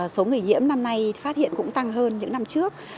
số người nhiễm năm nay phát hiện cũng tăng hơn những năm trước